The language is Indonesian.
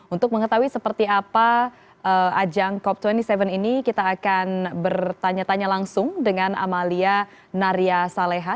untuk mengetahui seperti apa ajang cop dua puluh tujuh ini kita akan bertanya tanya langsung dengan amalia naria saleha